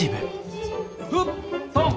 フットン。